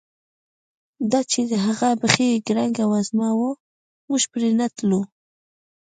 دا چې هغه بیخي ګړنګ وزمه وه، موږ پرې نه تلو.